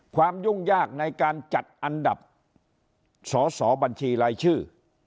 ยุ่งยากในการจัดอันดับสอสอบัญชีรายชื่อ